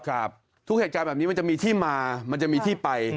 ทุกเหตุการณ์แบบนี้มันจะมีที่มามันจะมีที่ไป